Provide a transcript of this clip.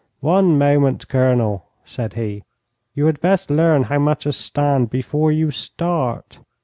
'One moment, Colonel,' said he; 'you had best learn how matters stand before you start.